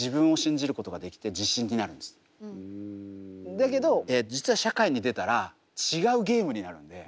だけど実は社会に出たら違うゲームになるんで。